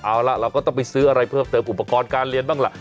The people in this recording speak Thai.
เอาล่ะเราก็ต้องไปซื้ออะไรเพิ่มเติมอุปกรณ์การเรียนบ้างล่ะ